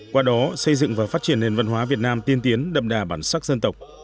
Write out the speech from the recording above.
qua đó xây dựng và phát triển nền văn hóa việt nam tiên tiến đậm đà bản sắc dân tộc